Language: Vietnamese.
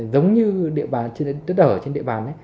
giống như đất ở trên địa bàn ấy